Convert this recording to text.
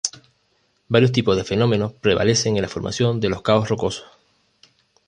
Varios tipos de fenómenos prevalecen en la formación de los caos rocosos.